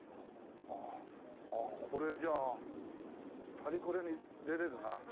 ああこれじゃあパリコレに出れるな。